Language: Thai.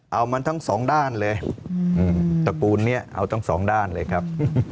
เอามันทั้งสองด้านเลยตระกูลนี้เอาทั้งสองด้านเลยครับ